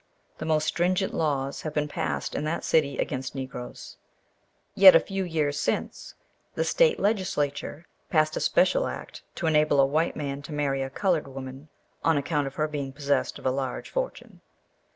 The most stringent laws have been passed in that city against Negroes, yet a few years since the State Legislature passed a special act to enable a white man to marry a coloured woman, on account of her being possessed of a large fortune.